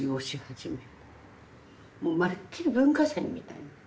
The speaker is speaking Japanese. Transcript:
もうまるっきり文化祭みたいな。